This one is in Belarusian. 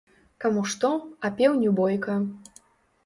Каму што, а пеўню ‒ бойка